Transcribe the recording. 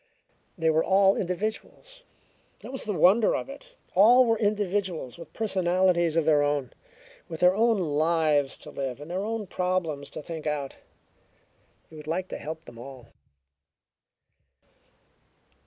They were all individuals; that was the wonder of it! All were individuals with personalities of their own, with their own lives to live and their own problems to think out. He would like to help them all.